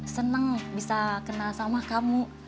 senang bisa kenal sama kamu